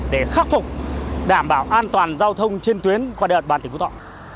để khắc phục đảm bảo an toàn giao thông trên tuyến qua địa bàn tỉnh phú thọ